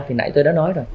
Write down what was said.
thì nãy tôi đã nói rồi